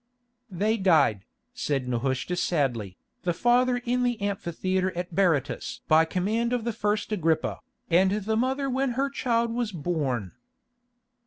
"They died," said Nehushta sadly, "the father in the amphitheatre at Berytus by command of the first Agrippa, and the mother when her child was born."